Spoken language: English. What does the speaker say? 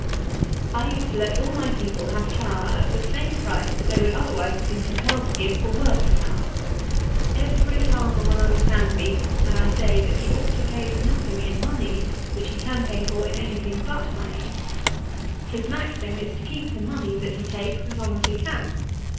I used to let all my people have flour at the same price that they would otherwise have been compelled to give for worse flour. Every Farmer will understand me when I say, that he ought to pay for nothing in money, which he can pay for in any thing but money. His maxim is to keep the money that he takes as long as he can.